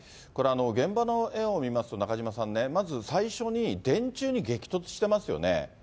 現場のえを見ますと、中島さんね、まず最初に電柱に激突してますよね。